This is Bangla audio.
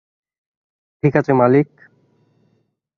ঠিকাছে, মালিক?